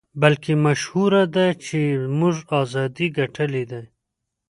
بلکې مشهوره ده چې موږ ازادۍ ګټلې دي.